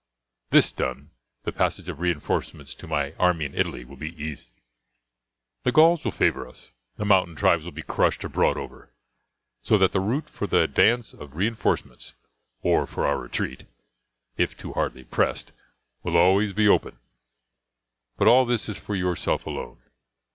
This done the passage of reinforcements to my army in Italy will be easy. The Gauls will favour us, the mountains tribes will be crushed or bought over, so that the route for the advance of reinforcements, or for our retreat, if too hardly pressed, will be always open. But all this is for yourself alone.